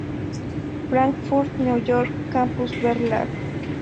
Frankfurt, New York: Campus Verlag.